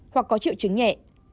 hoặc có triệu chứng nhẹ